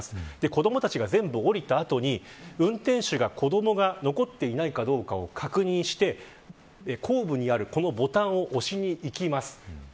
子どもたちが全部降りた後に運転手が子どもが残っていないか確認して後部にあるこのボタンを押しに行きます。